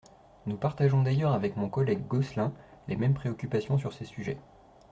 Nous partageons d’ailleurs, avec mon collègue Gosselin, les mêmes préoccupations sur ces sujets.